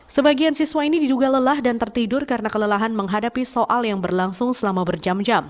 sebagian siswa ini diduga lelah dan tertidur karena kelelahan menghadapi soal yang berlangsung selama berjam jam